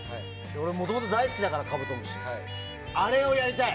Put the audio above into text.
俺、もともと大好きだから「カブトムシ」。あれをやりたい。